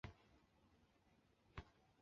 有时会加入醋或柠檬汁调味。